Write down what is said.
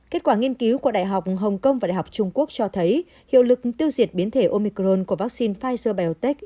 kết quả nghiên cứu của đại học hồng kông và đại học trung quốc cho thấy hiệu lực tiêu diệt biến thể omicron của vaccine pfizer biotech